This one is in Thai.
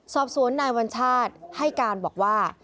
สอบสวนนายวัญชาติให้การบอกว่า